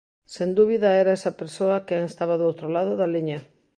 Sen dúbida, era esa persoa quen estaba do outro lado da liña.